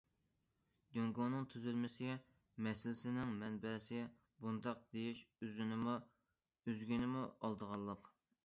جۇڭگونىڭ تۈزۈلمىسى مەسىلىنىڭ مەنبەسى؟ بۇنداق دېيىش ئۆزىنىمۇ، ئۆزگىنىمۇ ئالدىغانلىق!